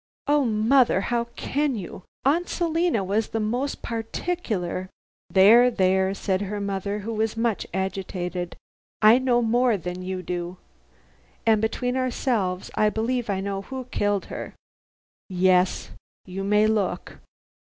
"Oh, mother, how can you? Aunt Selina was the most particular " "There there," said her mother who was much agitated, "I know more than you do. And between ourselves, I believe I know who killed her. Yes! You may look.